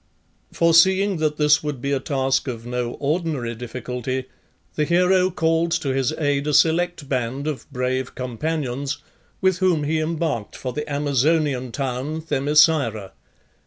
Foreseeing that this would be a task of no ordinary difficulty the hero called to his aid a select band of brave companions, with whom he embarked for the Amazonian town Themiscyra.